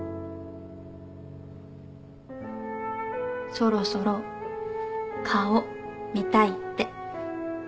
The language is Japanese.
そろそろ顔見たいって。